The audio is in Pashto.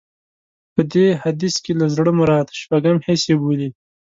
په دې حديث کې له زړه مراد شپږم حس يې بولي.